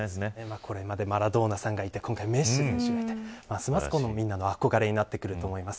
これまでマラドーナさんがいて今回、メッシがいてますます、みんなの憧れになってくると思います。